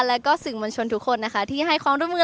แล้วก็สื่อมวลชนทุกคนนะคะที่ให้ความร่วมมือ